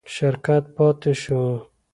شرکت پاتې شو.